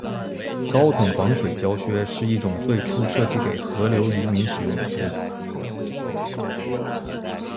高筒防水胶靴是一种最初设计给河流渔民使用的靴子。